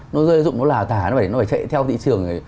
nó rơi rụng nó là thả nó phải chạy theo thị trường